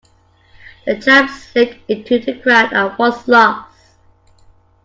The chap slipped into the crowd and was lost.